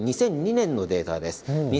２００２年のデータです。